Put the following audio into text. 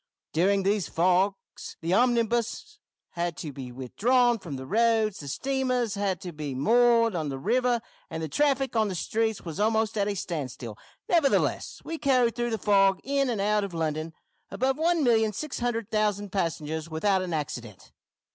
During these fogs the omnibuses had to be withdrawn from the roads, the steamers had to be moored on the river, and the traffic on the streets was almost at a standstill, nevertheless we carried through the fog, in and out of London, above one million six hundred thousand passengers without accident!"